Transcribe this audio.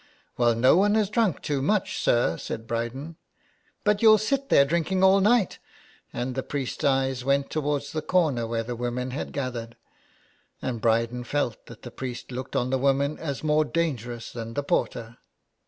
" Well, no one has drunk too much, sir," said Bryden. " But you'll sit here drinking all night," and the priest's eyes went toward the corner where the women 167 HOME SICKNESS. had gathered, and Bryden felt that the priest looked on the women as more dangerous than the porter.